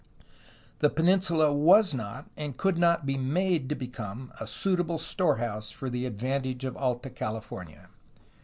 The peninsula was not, and could not be made to become, a suitable store house for the advantage of Alta California.